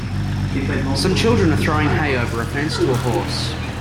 Some children are throwing hay over a fence to a horse.